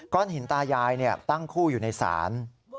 หินตายายตั้งคู่อยู่ในศาล